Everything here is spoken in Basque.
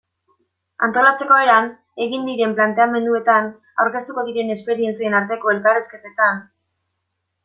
Antolatzeko eran, egin diren planteamenduetan, aurkeztu diren esperientzien arteko elkarrizketan...